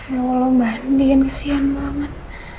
ya allah mbak andien kesian banget